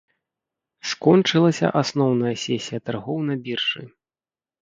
Скончылася асноўная сесія таргоў на біржы.